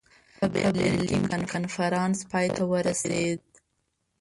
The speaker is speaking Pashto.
په برلین کې کنفرانس پای ته ورسېد.